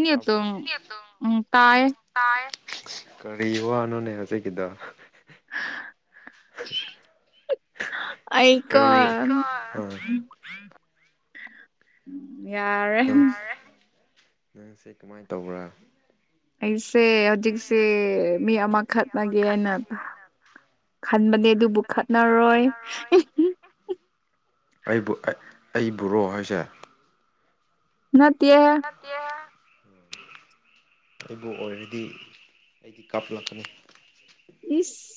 ꯅꯤꯇ ꯎꯝ ꯇꯥꯏꯌꯦ ꯇꯥꯢꯌꯦ ꯀꯔꯤ ꯋꯥ ꯅꯣꯅꯦꯁꯦ ꯍꯧꯖꯤꯛꯀꯤꯗꯣ [inaudible] ꯑꯩꯀꯣ ꯀꯔꯤ ꯑꯥ ꯌꯥꯔꯦ ꯅꯪ ꯅꯪꯁꯦ ꯀꯃꯥꯏꯅ ꯇꯧꯕ꯭ꯔꯥ ꯑꯩꯁꯦ ꯍꯧꯖꯤꯛꯁꯦ ꯃꯤ ꯑꯃꯈꯠꯅꯒꯦꯅ ꯈꯟꯕꯅꯦ ꯑꯗꯨꯕꯨ ꯈꯠꯅꯔꯣꯏ ꯑꯩꯕꯨ ꯑꯩꯕꯨꯔꯣ ꯍꯥꯏꯁꯦ ꯅꯠꯇꯦ ꯅꯠꯇꯦ ꯑꯩꯕꯨ ꯑꯣꯏꯔꯗꯤ ꯑꯩꯗꯤ ꯀꯥꯞꯂꯛꯀꯅꯤ ꯏꯁ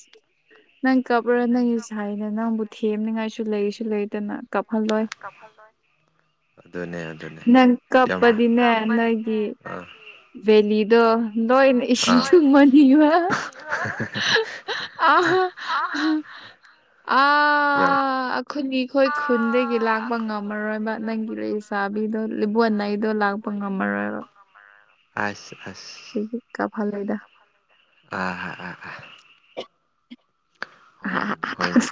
ꯅꯪ ꯀꯞꯄꯔꯥ ꯅꯪꯒꯤ ꯁꯥꯏꯅ ꯅꯪꯕꯨ ꯊꯦꯝꯅꯤꯡꯉꯥꯏꯁꯨ ꯂꯩꯁꯨ ꯂꯩꯗꯅ ꯀꯐꯜꯂꯣꯢ ꯑꯗꯨꯅꯦ ꯑꯗꯨꯅꯦ ꯅꯪ [unintelligible] ꯕꯦꯂꯤꯗꯣ ꯂꯣꯏꯅ ꯏꯁꯤꯡ ꯑꯥ ꯁꯨꯝꯃꯅꯤꯕ ꯑ ꯑ ꯌꯥꯝ ꯑꯈꯣꯏꯅꯤꯈꯣꯏ ꯈꯨꯟꯗꯒꯤ ꯂꯥꯛꯄ ꯉꯝꯃꯔꯣꯏꯕ ꯅꯪꯒꯤ ꯂꯩꯁꯥꯕꯤꯗꯣ ꯂꯤꯕꯣꯟꯅꯩꯗꯣ ꯂꯥꯛꯄ ꯉꯝꯃꯔꯣꯏꯕ ꯑꯁ ꯑꯁ ꯑꯗꯨꯒꯤ ꯀꯥꯐꯜꯂꯣꯏꯗ ꯑꯥꯥ ꯑꯥ ꯑꯥ ꯍꯣꯏꯅꯦ ꯍꯣꯏꯅꯦ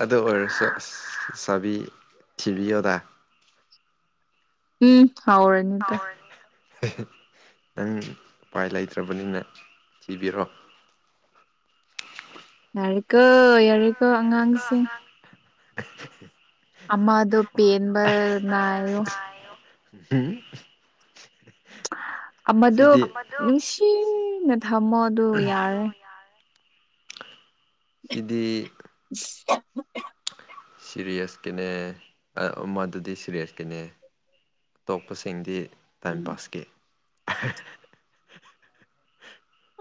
ꯑꯗꯨ ꯑꯣꯏꯔꯁꯨ ꯆꯥꯕꯤ ꯊꯤꯕꯤꯌꯣꯗ ꯎꯝ ꯍꯥꯎ ꯅꯪ ꯎꯄꯥꯏ ꯂꯩꯇ꯭ꯔꯕꯅꯤꯅ ꯊꯤꯕꯤꯔꯣ ꯌꯥꯔ ꯀ ꯑ ꯑꯃꯗꯣ ꯄꯦꯟꯕ ꯑꯉꯥꯡ ꯅꯥꯏꯌꯣ ꯑꯗꯨ ꯑꯃꯗꯣ ꯌꯥꯔꯦ ꯅꯨꯡꯁꯤꯅ ꯊꯝꯃꯣ ꯑꯗꯨ ꯌꯥꯔꯦ ꯁꯤꯗꯤ ꯎ ꯁꯤꯔꯤꯌꯁꯀꯤꯅꯦ ꯃꯗꯨꯗꯤ ꯁꯤꯔꯤꯌꯁꯀꯤꯅꯦ ꯑꯇꯣꯞꯄꯁꯤꯡꯗꯤ ꯇꯥꯏꯝ ꯎꯝ ꯄꯥꯁꯀꯤ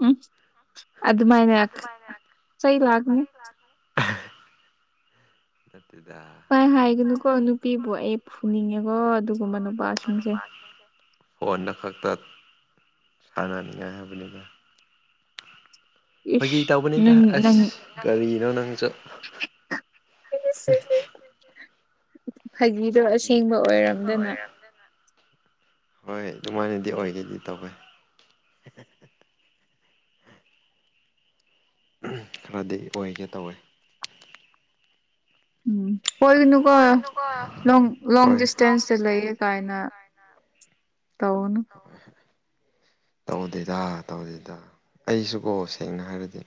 ꯎꯝ ꯑꯗ ꯃꯥꯏꯅꯦ ꯁꯩ ꯂꯒꯅꯤ ꯂꯦ ꯇꯗ ꯥꯏ ꯍꯥꯏꯒꯅꯨꯀꯣ ꯅꯨꯄꯤꯕꯨ ꯑꯩ ꯐꯨꯅꯤꯡꯉꯦꯀꯣ ꯑꯗꯨꯒꯨꯝꯕ ꯅꯨꯄꯥꯁꯤꯡꯁꯦ ꯐꯣꯟꯗ ꯈꯛꯇ ꯁꯥꯟꯅꯅꯤꯡꯉꯥꯏ ꯍꯥꯏꯕꯅꯤꯅ ꯐꯣꯏꯒꯤ ꯏꯁ ꯇꯧꯕꯅꯤꯗ ꯅꯪ ꯑꯁ ꯅꯪ ꯀꯒꯥꯔꯤꯅꯣ ꯅꯪ ꯆ [inaudible] ꯐꯥꯒꯤꯗꯣ ꯑꯁꯦꯡꯕ ꯑꯣꯏꯔꯝꯗꯅ ꯍꯣꯏ ꯑꯗꯨꯃꯥꯏꯅꯗꯤ ꯑꯣꯏꯒꯦꯗꯤ ꯇꯧꯋꯦ ꯈꯔꯗꯤ ꯑꯣꯏꯒꯦ ꯇꯧꯋꯦ ꯎꯝ ꯑꯣꯏꯒꯤꯅꯨꯀꯣ ꯂꯣꯡ ꯂꯣꯡ ꯍꯣꯏ ꯗꯤꯁꯇꯦꯟꯁꯇ ꯂꯩꯌꯦ ꯀꯥꯏꯅ ꯇꯧꯒꯅꯨ ꯍ ꯇꯧꯗꯦꯗ ꯇꯧꯗꯦꯗ ꯑꯩꯁꯨꯀꯣ ꯁꯦꯡꯅ ꯍꯥꯏꯔꯗꯤ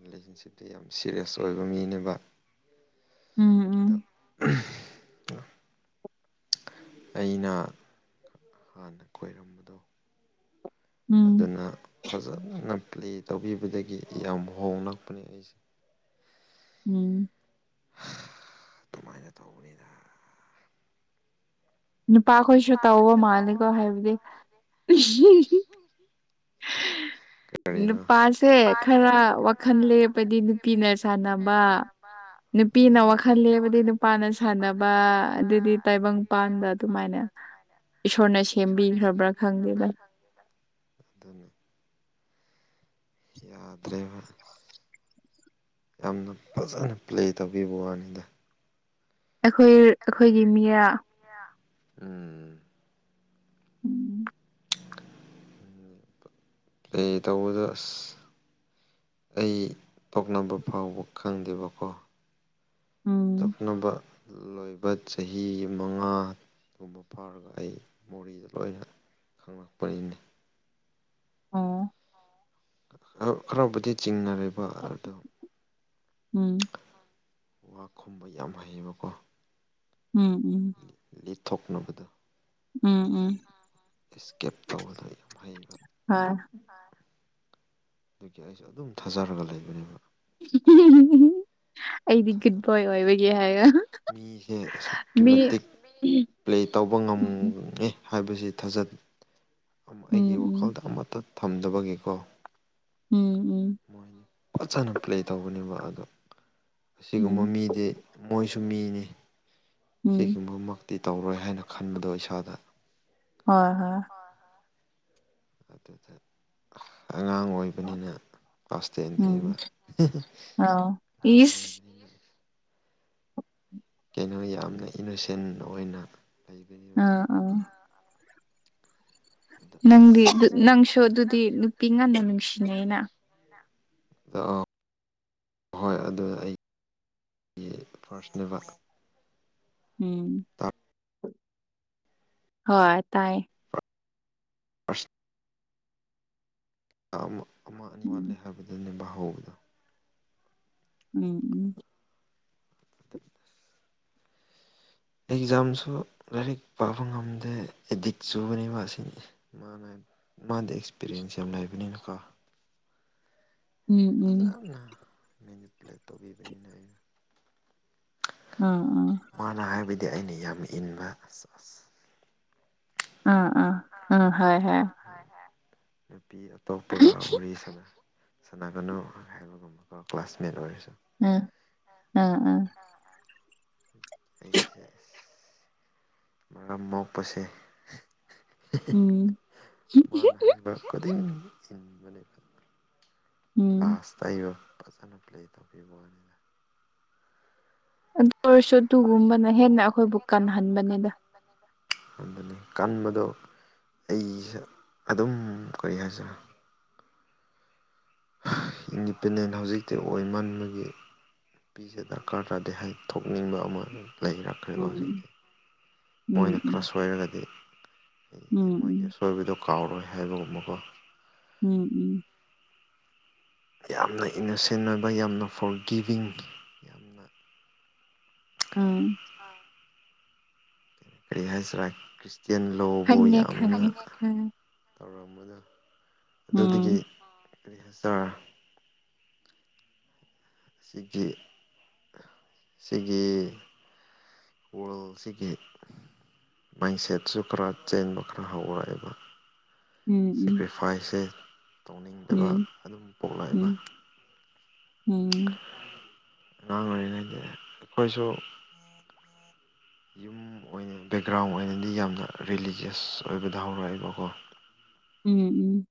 ꯔꯤꯂꯦꯁꯟꯁꯤꯞꯇ ꯌꯥꯝ ꯁꯤꯦꯔꯤꯌꯁ ꯑꯣꯏꯕ ꯃꯤꯅꯦꯕ ꯎꯝ ꯎꯝ ꯑꯗꯣ ꯑꯩꯅ ꯍꯥꯟꯅ ꯈꯣꯏꯔꯝꯕꯗꯣ ꯎꯝ ꯑꯗꯨꯅ ꯐꯖꯅ ꯄ꯭ꯂꯦ ꯇꯧꯕꯤꯕꯗꯒꯤ ꯌꯥꯝ ꯍꯣꯡꯡꯂꯛꯄꯅꯦ ꯑꯩꯁꯦ ꯎꯝ ꯑꯗꯨꯃꯥꯏꯅ ꯇꯧꯕꯅꯤꯅ ꯅꯨꯄꯥꯈꯣꯏꯁꯨ ꯇꯧꯕ ꯃꯥꯂꯦꯀꯣ ꯍꯥꯏꯕꯗꯤ [inaudible] ꯅꯨꯄꯥꯁꯦ ꯈꯔ ꯋꯥꯈꯜ ꯂꯦꯄꯗꯤ ꯅꯨꯄꯤꯅ ꯁꯥꯟꯅꯕ ꯅꯨꯄꯤꯅ ꯑꯗꯨꯅꯤꯗ ꯋꯥꯈꯜ ꯂꯦꯕꯗꯤ ꯅꯨꯄꯥꯅ ꯁꯥꯟꯅꯕ ꯑꯗꯨꯗꯤ ꯇꯥꯏꯕꯪꯄꯥꯟꯗ ꯑꯗꯨꯃꯥꯏꯅ ꯏꯁꯣꯔꯅ ꯁꯦꯝꯕꯤꯈ꯭ꯔꯕ꯭ꯔꯥ ꯈꯪꯗꯦꯗ ꯑꯗꯨ ꯌꯥꯗ꯭ꯔꯦꯕ ꯌꯥꯝꯅ ꯐꯖꯅ ꯄ꯭ꯂꯦ ꯇꯧꯕꯤꯕ ꯋꯥꯅꯤꯗ ꯑꯩꯈꯣꯏ ꯑꯩꯈꯣꯏ ꯑꯩꯈꯣꯏꯒꯤ ꯃꯤꯔ ꯎꯝ ꯎꯝ ꯑꯦ ꯇꯧꯕꯗꯣ ꯑꯁ ꯑꯩ ꯄꯣꯛꯅꯕ ꯐꯥꯎꯕ ꯈꯪꯗꯦꯕꯀꯣ ꯎꯝ ꯇꯣꯛꯅꯕ ꯂꯣꯏꯕ ꯆꯍꯤ ꯃꯉꯥ ꯨꯝꯕ ꯐꯥꯔꯒ ꯑꯩ ꯃꯣꯔꯦꯗ ꯂꯣꯏꯅ ꯈꯪꯂꯛꯄꯅꯤꯅꯦ ꯑꯣ ꯍꯔꯥꯎꯕꯗꯤ ꯆꯤꯡꯅꯔꯤꯕ ꯑꯗꯨꯗꯣ ꯎꯝ ꯋꯥ ꯈꯨꯝꯕ ꯌꯥꯝ ꯍꯩꯌꯦꯕꯀꯣ ꯎꯝ ꯎꯝ ꯂꯤꯠꯊꯣꯛꯅꯕꯗꯣ ꯎꯝ ꯎꯝ ꯏꯁꯀꯦꯞ ꯇꯧꯕꯗ ꯌꯥꯝ ꯍꯩꯕ ꯍꯣꯏ ꯑꯗꯨꯒꯤ ꯑꯩꯁꯨ ꯑꯗꯨꯝ ꯊꯥꯖꯔꯒ ꯂꯩꯕꯅꯦꯕ ꯑꯩꯗꯤ ꯒꯨꯠ ꯊꯥꯖꯕ ꯕꯣꯏ ꯑꯣꯏꯕꯒꯤ ꯍꯥꯏꯔꯣ ꯃꯤꯁꯦ ꯑꯁꯨꯛꯀꯤ ꯃꯇꯤꯛ ꯄ꯭ꯂꯦ ꯇꯧꯕ ꯎꯝ ꯉꯝꯉꯦ ꯍꯥꯏꯕꯁꯤ ꯊꯥꯖꯠ ꯑꯩꯒꯤ ꯎꯝ ꯋꯥꯈꯜꯗ ꯑꯃꯠꯇ ꯊꯝꯗꯕꯒꯤꯀꯣ ꯎꯝ ꯎꯝ ꯃꯣꯏ ꯐꯖꯅ ꯄ꯭ꯂꯦ ꯇꯧꯕꯅꯦꯕ ꯑꯗꯣ ꯑꯁꯤꯒꯨꯝꯕ ꯎꯝ ꯃꯤꯗꯤ ꯃꯣꯏꯁꯨ ꯁꯨꯝꯃꯤꯅꯤ ꯎꯝ ꯁꯤꯒꯨꯝꯕꯃꯛꯇꯤ ꯇꯧꯔꯣꯏ ꯍꯥꯏꯅ ꯈꯟꯕꯗꯣ ꯏꯁꯥꯗ ꯍꯣꯏ ꯍꯣꯏ ꯑꯗꯨꯗ ꯑꯉꯥꯡ ꯑꯣꯏ ꯕꯅꯤꯅ ꯑꯁꯇꯦ ꯏꯟꯗꯤꯅꯤꯕ ꯎꯝ ꯑ ꯏꯁ ꯀꯩꯅꯣ ꯌꯥꯝꯅ ꯏꯅꯣꯁꯦꯟ ꯑꯣꯏꯅ ꯂꯩꯕꯅꯦꯕ ꯑ ꯑꯗ ꯅꯪꯗꯤ ꯑꯁ ꯅꯪꯁꯨ ꯑꯗꯨꯗꯤ ꯅꯨꯄꯤ ꯉꯟꯅ ꯅꯨꯡꯁꯤꯅꯩꯩꯅ ꯑ ꯍꯣꯏ ꯑꯗꯨ ꯑꯩ ꯑꯩ ꯐꯥꯔꯁꯅꯦꯕ ꯎꯝ ꯍꯣꯏ ꯑ ꯇꯥꯏ ꯑꯁ ꯑꯃ ꯑꯅꯤ ꯋꯥꯠꯂꯦ ꯎꯝ ꯍꯥꯏꯕꯗꯨꯅꯦꯕ ꯍꯧꯕꯗꯣ ꯎꯝ ꯎꯝ ꯑꯦꯛꯖꯥꯝꯁꯨ ꯂꯥꯏꯔꯤꯛ ꯄꯥꯕ ꯉꯝꯗꯦ ꯑꯦꯗꯤꯛ ꯆꯨꯕꯅꯦꯕ ꯑꯁꯤꯅꯤ ꯃꯥ ꯃꯥꯗ ꯑꯦꯛꯁꯄꯤꯔꯤꯌꯦꯟꯁ ꯌꯥꯝ ꯂꯩꯕꯅꯤꯅꯀꯣ ꯎꯝ ꯎꯝ ꯃꯤꯅ ꯄ꯭ꯂꯦ ꯇꯧꯕꯤꯕꯅꯤꯅ ꯑꯩ ꯎꯝ ꯎꯝ ꯀꯥꯟꯅ ꯍꯥꯏꯕꯗꯤ ꯑꯩꯅ ꯌꯥꯝ ꯏꯟꯕ ꯎꯝ ꯎꯝ ꯎꯝ ꯍ ꯍ ꯅꯨꯄꯤ ꯑꯇꯣꯞꯄꯒ ꯋꯥꯔꯤꯔꯤꯁꯅ ꯁꯅꯥꯒꯅꯨ ꯍꯥꯏꯕꯒꯨꯝꯕꯀ ꯀ꯭ꯂꯥꯁꯃꯦꯠ ꯑꯣꯏꯔꯁꯨ ꯎꯝ ꯎꯝ ꯑꯩꯁ ꯃꯔꯝ ꯃꯣꯛꯄꯁꯦ ꯎꯝ ꯃꯥꯅ ꯍꯥꯏ ꯀꯣꯏ ꯎꯝ ꯀ꯭ꯂꯥꯁ ꯑꯩꯕꯨ ꯐꯖꯅ ꯄ꯭ꯂꯦ ꯇꯧꯕꯤꯕꯅꯤꯅ ꯁꯇꯨꯒꯨꯝꯕꯅ ꯍꯦꯟꯅ ꯑꯩꯈꯣꯏꯕꯨ ꯀꯟꯍꯟꯕꯅꯤꯗ ꯑꯗꯨꯅꯤ ꯀꯟꯕꯗꯣ ꯑꯩꯁꯦ ꯑꯗꯨꯝ ꯀꯔꯤ ꯍꯥꯏꯁꯤꯔꯦ ꯏꯟꯗꯤꯄꯦꯟꯗꯦꯟ ꯍꯧꯖꯤꯛꯇꯤ ꯑꯣꯏꯃꯟꯕꯒꯤ ꯄꯄꯤꯁꯦ ꯗꯔꯀꯥꯔ ꯇꯥꯗꯦ ꯍꯥꯏ ꯊꯣꯛꯅꯤꯡꯕ ꯑꯃ ꯂꯩꯔ ꯈꯕ ꯎꯝ ꯍꯧꯖꯤꯛꯇꯤ ꯃꯣꯏꯅ ꯈꯔ ꯎꯝ ꯁꯣꯏꯔꯒꯗꯤ ꯎꯝ ꯍꯥꯏꯗꯤ ꯎꯝ ꯃꯣꯏꯒꯤꯁ ꯑꯣꯏꯕꯗꯣ ꯀꯥꯎꯔꯣꯏ ꯍꯥꯏꯕꯒꯨꯝꯕꯀꯣ ꯎꯝ ꯎꯝ ꯌꯥꯝꯅ ꯏꯅꯣꯁꯦꯟ ꯑꯣꯏꯕ ꯌꯥꯝꯅ ꯐꯣꯔ ꯒꯤꯕꯤꯡ ꯑꯥ ꯑꯥ ꯀꯔꯤ ꯀꯔꯤ ꯍꯥꯏꯁꯤꯔꯥ ꯈ꯭ꯔꯤꯁꯇꯌꯥꯦꯟ ꯂꯣꯕꯨ ꯈꯪꯉꯦ ꯌꯥꯝꯅ ꯈꯪꯉꯦ ꯎꯝ ꯇꯧꯔꯝꯕꯗꯣ ꯑꯗꯨꯗꯒꯤ ꯎꯝ ꯀꯔꯤ ꯍꯥꯏꯇꯥꯔ ꯑꯁꯤꯒꯤꯒꯤ ꯁꯤꯒꯦ ꯋꯥꯜꯁꯤꯒꯦ ꯃꯥꯏꯟꯁꯦꯠꯁꯨ ꯈꯔ ꯆꯦꯟꯕ ꯈꯔ ꯍꯧꯔꯛꯑꯦꯕ ꯎꯝ ꯁꯦꯀ꯭ꯔꯤꯐꯥꯏꯁꯁꯦ ꯇꯧꯅꯤꯡꯗꯕ ꯎꯝ ꯑꯗꯨꯝ ꯄꯣꯛꯂꯛꯏꯕ ꯎꯝ ꯎꯝ ꯑꯉꯥꯡ ꯑꯣꯏꯔꯤꯉꯩꯒꯤ ꯑꯩꯈꯣꯏꯁꯨ ꯌꯨꯝ ꯑꯣꯏꯅ ꯕꯦꯛꯒ꯭ꯔꯥꯎꯟ ꯑꯣꯏꯅꯗꯤ ꯌꯥꯝꯅ ꯔꯤꯂꯤꯖꯤꯁ ꯑꯣꯏꯕꯗ ꯍꯧꯔꯛꯑꯦꯕꯀꯣ ꯎꯝ ꯎꯝ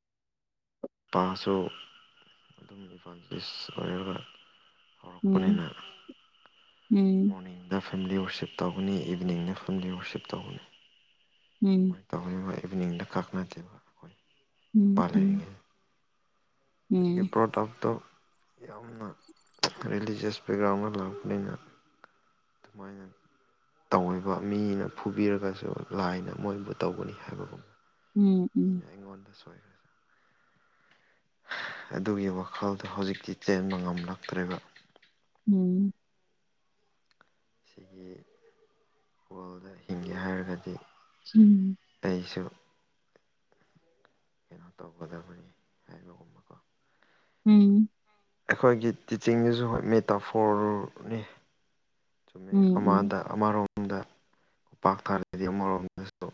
ꯅꯨꯄꯥꯁꯨ ꯑꯗꯨꯝ ꯏꯝꯐꯥꯜ ꯏꯁ ꯑꯣꯏꯔꯒ ꯎꯝ ꯎꯝ ꯍꯧꯔꯛꯄꯅꯤꯅ ꯎꯝ ꯎꯝ ꯎꯝ ꯃꯣꯔꯅꯤꯡ ꯗ ꯐꯦꯃꯤꯂꯤ ꯋꯔꯁꯤꯞ ꯇꯧꯧꯕꯅꯤ ꯏꯚꯅꯤꯡꯗ ꯐꯦꯃꯤꯂꯤ ꯋꯔꯁꯤꯞ ꯇꯧꯒꯅꯤ ꯎꯝ ꯇꯧꯅꯤꯡꯅ ꯏꯚꯅꯤꯡꯗ ꯀꯛꯅꯗꯦꯕ ꯑꯩꯈꯣꯏ ꯏꯄꯥ ꯎꯝ ꯎꯝ ꯂꯩꯔꯤꯉꯩ ꯑꯗꯒꯤ ꯄ꯭ꯔꯣꯗꯞꯇꯣ ꯌꯥꯝꯅ ꯔꯤꯂꯤꯖꯤꯁ ꯕꯦꯛꯒ꯭ꯔꯥꯎꯟ ꯑꯃ ꯂꯥꯛꯄꯅꯤꯅ ꯑꯗꯨꯃꯥꯏꯅ ꯇꯧꯕ ꯃꯤꯅ ꯐꯨꯕꯤꯔꯒꯁꯨ ꯂꯥꯏꯅ ꯃꯣꯏꯕꯨ ꯇꯧꯒꯅꯤ ꯍꯥꯏꯕꯕꯨ ꯃꯤꯅꯦ ꯎꯝ ꯑꯩꯉꯣꯟꯗ ꯁꯣꯏꯔ ꯑꯗꯨꯒꯤ ꯋꯥꯈꯜꯗꯣ ꯍꯧꯖꯤꯛꯇꯤ ꯆꯦꯟꯕ ꯉꯝꯂꯛꯇ꯭ꯔꯦꯕ ꯎꯝ ꯁꯤꯒꯤ ꯋꯥꯔꯜꯗ ꯍꯤꯡꯒꯦ ꯍꯥꯏꯔꯒꯗꯤ ꯎꯝ ꯑꯩꯁꯨ ꯀꯩꯅꯣ ꯇꯧꯒꯗꯕꯅꯤ ꯍꯥꯏꯕꯒꯨꯝꯕꯀꯣ ꯎꯝ ꯑꯩꯈꯣꯏꯒꯤ ꯇꯤꯆꯤꯡꯗꯨꯁꯨ ꯍꯣꯏ ꯃꯤ ꯇꯥꯐꯣꯔꯅꯤ ꯆꯨꯝꯃꯦ ꯑꯃꯗ ꯑꯃꯔꯣꯝꯗ ꯎꯄꯥꯛ ꯊꯥꯔꯒꯗꯤ ꯑꯃꯔꯣꯝꯗꯁꯨ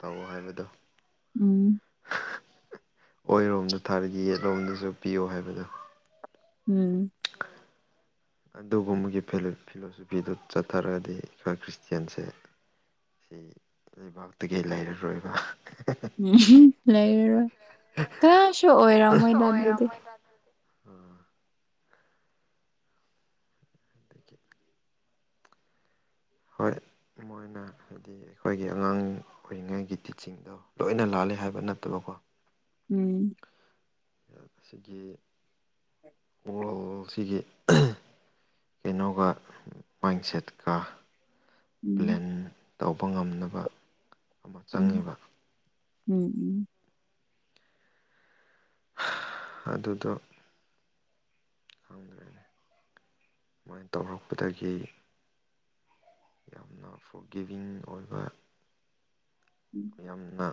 ꯇꯧ ꯍꯥꯏꯕꯗꯣ ꯎꯝ ꯑꯣꯏꯔꯣꯝꯗ ꯊꯥꯔꯒ ꯌꯦꯠꯂꯣꯝꯗꯁꯨ ꯄꯤꯌꯣ ꯍꯥꯏꯕꯗꯣ ꯎꯝ ꯑꯗꯨꯒꯨꯝꯕꯒꯤ ꯐꯤꯂꯣꯁꯣꯐꯤꯗꯨ ꯆꯠꯊꯔꯒꯗꯤ ꯑꯩꯈꯣꯏ ꯈ꯭ꯔꯤꯁꯇꯌꯥꯟꯁꯦ ꯁꯤ ꯂꯩꯕꯥꯛꯇꯒꯤ ꯂꯩꯔꯔꯣꯏꯕ ꯎꯝ ꯂꯩꯔꯔꯣꯏ ꯀꯌꯥꯁꯨ ꯑꯣꯏꯔꯝ ꯃꯣꯏ ꯑꯗꯨꯗꯤ [unintelligible] ꯎꯝ [inaudible] [unintelligible] ꯍꯣꯏ ꯃꯣꯏꯅ ꯍꯥꯏ ꯍꯥꯏꯗꯤ ꯑꯩꯈꯣꯏꯒꯤ ꯑꯉꯥꯡ ꯑꯣꯏꯔꯤꯉꯩꯒꯤ ꯇꯤꯆꯤꯡꯗꯣ ꯂꯣꯏꯅ ꯂꯥꯂꯦ ꯍꯥꯏꯕ ꯅꯠꯇꯕꯀꯣ ꯎꯝ ꯑꯁꯤꯒꯤ ꯍ ꯋꯜꯁꯤꯒꯤ ꯀꯩꯅꯣꯒ ꯃꯥꯏꯟꯁꯦꯠꯀ ꯎꯝ ꯕ꯭ꯂꯦꯟ ꯇꯧꯕ ꯉꯝꯅꯕ ꯑꯃ ꯎꯝ ꯆꯪꯉꯦꯕ ꯎꯝ ꯎꯝ ꯑꯗꯨꯗꯣ ꯈꯪꯗ꯭ꯔꯦꯅꯤ ꯁꯨꯃꯥꯏꯅ ꯇꯧꯔꯛꯄꯗꯒꯤ ꯌꯥꯝꯅ ꯐꯣꯔꯒꯤꯕꯤꯡ ꯑꯣꯏꯕ ꯎꯝ ꯌꯥꯝꯅ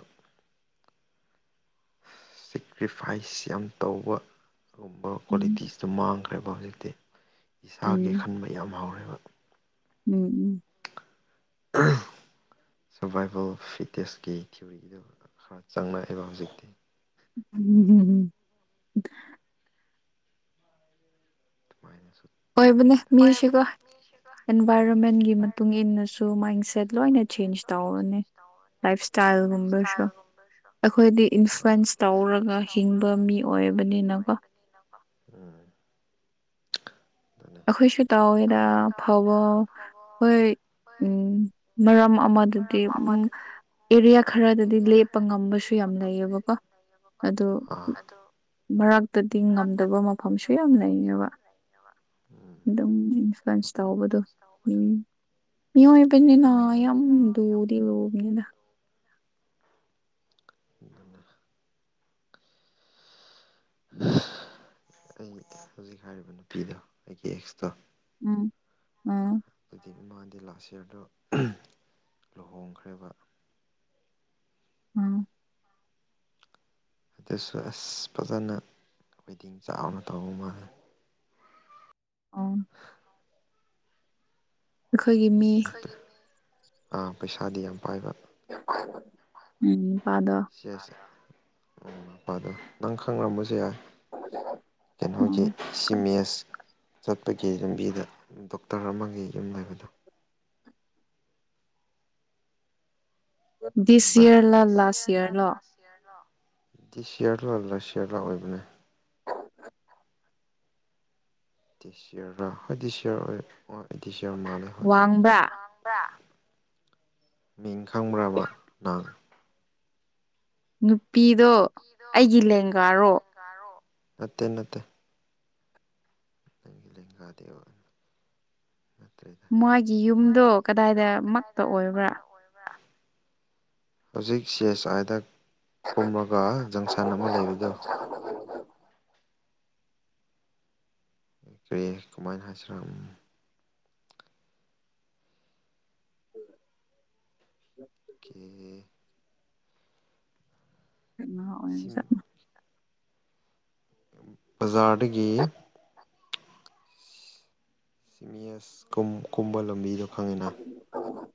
ꯁꯦꯀ꯭ꯔꯤꯐꯥꯏꯁ ꯌꯥꯝ ꯇꯧꯕ ꯑꯗꯨꯒꯨꯝꯕ ꯀ꯭ꯋꯥꯂꯤꯇꯤꯁ ꯁ ꯃꯥꯡꯈ꯭ꯔꯦꯕ ꯍꯧꯖꯤꯛꯇꯤ ꯏꯁꯥꯒꯤ ꯎꯝ ꯈꯟꯕ ꯌꯥꯝ ꯍꯧꯔꯦꯕ ꯎꯝ ꯎꯝ ꯁꯔꯚꯏꯚꯦꯜ ꯐꯤꯠꯅꯦꯁꯀꯤ ꯊꯤꯑꯣꯔꯤꯗꯨ ꯈꯔ ꯆꯪꯉꯛꯑꯦꯕ ꯍꯧꯖꯤꯛꯇꯤ ꯎꯝ ꯎꯝ ꯎꯝ ꯃꯥꯏꯅꯦꯁꯨ ꯑꯣꯏꯕꯅꯦ ꯃꯤꯁꯤꯒꯣ ꯂꯥꯏꯞ ꯑꯦꯟꯚꯥꯏꯔꯣꯟꯃꯦꯟꯒꯤ ꯃꯇꯨꯡ ꯏꯟꯅꯁꯨ ꯃꯥꯏꯟꯁꯦꯠ ꯂꯣꯏꯅ ꯆꯦꯟꯖ ꯑꯁꯦꯠꯣ ꯇꯧꯔꯅꯤ ꯅ ꯂꯥꯏꯐ ꯆꯁ ꯇꯅꯤ ꯂꯐ ꯁꯇꯥꯏꯜ ꯔꯨꯝꯕꯁ ꯑꯦꯛꯁꯄꯦꯟꯁ ꯇꯧꯔꯒ ꯍꯤꯡꯕ ꯃꯤ ꯑꯣꯏꯕꯅꯤꯅꯀꯣ ꯎꯝ ꯑꯗꯨꯅꯦ ꯑꯩꯈꯣꯏꯁꯨ ꯇꯥꯎꯋꯦꯗ ꯐꯥꯎꯕ ꯍꯣꯏ ꯎꯝ ꯃꯔꯝ ꯑꯃꯗꯗꯤ ꯎꯝ ꯑꯦꯔꯤꯌꯥ ꯈꯔꯗꯗꯤ ꯑꯦꯔꯤꯌꯥ ꯂꯦꯞꯄ ꯈꯔꯗꯗꯤ ꯉꯝꯕꯁꯨ ꯂꯦꯞꯄ ꯌꯥꯝ ꯉꯝꯕꯁꯨ ꯂꯩꯌꯦꯕꯀꯣ ꯌꯥꯝ ꯂꯩꯌꯦꯕꯀꯣ ꯑꯗꯨ ꯑꯗꯣ ꯃꯔꯛꯇꯗꯤ ꯉꯝꯗꯕ ꯃꯐꯝꯁꯨ ꯌꯥꯝ ꯂꯩꯅꯦꯕ ꯑꯗꯨꯝ ꯏꯟꯐ꯭ꯂꯨꯋꯟꯁ ꯇꯧꯕꯗꯣ ꯃꯤ ꯑꯣꯏꯕꯅꯦ ꯅ ꯌꯥꯝ ꯂꯨꯘꯤ ꯂꯨꯕꯅꯦꯘ [inaudible] ꯑꯩ ꯍꯧꯖꯤꯛ ꯍꯥꯏꯔꯤꯕ ꯅꯨꯄꯤꯗꯣ ꯑꯩꯒꯤ ꯑꯦꯛꯁꯇꯣ ꯎꯝ ꯑꯝ ꯑꯗꯨꯗꯤ ꯏꯃꯥꯗꯤ ꯂꯥꯁ ꯏꯌꯥꯔꯗꯣ ꯂꯨꯍꯣꯡꯈ꯭ꯔꯦꯕ ꯎꯝ ꯑꯗꯨꯁꯨ ꯑꯁ ꯐꯖꯅ ꯑꯩꯈꯣꯏꯗꯤꯡ ꯆꯥꯎꯅ ꯇꯧꯕ ꯃꯥꯜꯂꯦ ꯑꯥ ꯑꯩꯈꯣꯏꯒꯤ ꯃꯤ ꯄꯩꯁꯥꯗꯤ ꯌꯥꯝ ꯄꯥꯏꯕ ꯎꯝ ꯄꯥꯗꯣ ꯁꯤ ꯑꯁꯦ ꯎ ꯃꯄꯥꯗꯣ ꯅꯪ ꯈꯪꯂꯝꯁꯨ ꯌꯥꯏ ꯀꯩꯅꯣ ꯗꯤ ꯎꯝ ꯁꯤꯃꯦ ꯑꯦꯁ ꯆꯠꯄꯒꯤ ꯂꯝꯕꯤꯗ ꯗꯣꯛꯇꯔ ꯑꯃꯒꯤ ꯌꯨꯝ ꯂꯩꯕꯗꯣ ꯗꯤꯁ ꯏꯌꯥꯔꯂ ꯂꯥꯁ ꯏꯌꯔ ꯂꯣ ꯗꯤ ꯁꯤꯌꯥꯔꯂꯣꯜꯂꯥ ꯁꯤꯌꯥꯔꯂꯥ ꯑꯣꯏꯕꯅꯦ ꯗꯤ ꯁꯤꯌꯔꯒ ꯍꯥꯏꯗꯤ ꯁꯤꯌꯥꯔ ꯑꯣꯏ ꯑꯩꯗꯤ ꯁꯤꯌꯥꯔ ꯃꯥꯥꯟꯂꯦ ꯋꯥꯡꯕ ꯃꯤ ꯈꯪꯕ꯭ꯔꯕ ꯅꯪ ꯅꯨꯄꯤꯗꯣ ꯑꯩꯒꯤ ꯂꯦꯡꯒꯥꯔꯣ ꯅꯠꯇꯦ ꯅꯠꯇꯦ ꯅꯪꯒꯤ ꯂꯦꯡꯒꯥꯗꯦꯕꯅꯤ ꯃꯥꯒꯤ ꯌꯨꯝꯗꯣ ꯃꯥꯒꯤ ꯌꯨꯝꯗꯣ ꯀꯗꯥꯏꯗ ꯃꯛꯇ ꯀꯗꯥꯏꯗ ꯑꯣꯏꯕ꯭ꯔꯥ ꯃꯛꯇ ꯑꯣꯏꯕ꯭ꯔꯥ ꯍꯧꯖꯤꯛ ꯁꯤ ꯑꯦꯁ ꯑꯥꯏꯗ ꯀꯨꯝꯃꯒ ꯖꯪꯁꯟ ꯑꯃ ꯂꯩꯔꯤꯗꯨꯣ ꯀꯔꯤꯦ ꯀꯃꯥꯏꯅ ꯍꯥꯏꯁꯤꯔꯥ ꯀ ꯉꯥ ꯑꯣꯏꯔꯤ ꯁꯤꯝ ꯆꯠꯅ ꯖꯥꯠꯒꯤ ꯁꯤꯃꯤꯌꯁ ꯀꯨꯝ ꯀꯨꯝꯕ ꯂꯝꯕꯤꯗ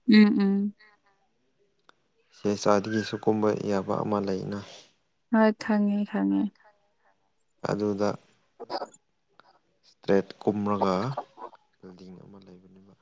ꯎꯝ ꯎꯝ ꯆꯦ ꯆꯥꯗꯒꯤꯁꯨ ꯀꯨꯝꯕ ꯌꯥꯕ ꯑꯃ ꯂꯩꯅ ꯍꯣꯏ ꯍꯪꯉꯦ ꯑꯗꯨꯗ ꯑꯣ ꯏꯁꯇ꯭ꯔꯦꯠ ꯀꯨꯝꯔꯒ ꯕꯤꯜꯗꯤꯡ ꯑꯃ ꯂꯩꯕꯅꯦꯕ